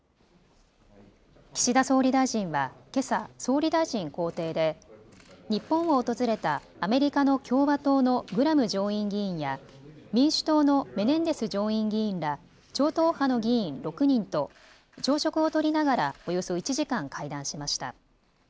岸田総理大臣はけさ総理大臣公邸で日本を訪れたアメリカの共和党のグラム上院議員や民主党のメネンデス上院議員ら超党派の議員６人と朝食をとりながらおよそ１時間、会談しました。